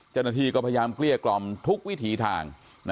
เจ้าหน้าที่ก็พยายามเกลี้ยกล่อมทุกวิถีทาง